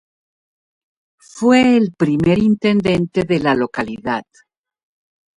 Fue el primer intendente de la localidad.